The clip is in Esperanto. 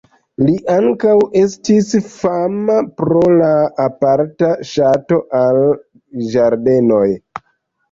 Li ankaŭ estis fama pro la aparta ŝato al ĝardenoj.